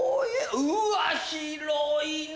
うわ広いな！